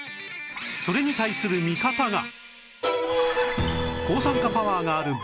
それに対する味方が！